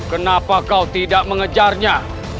kenapa kau tidak mengejarnya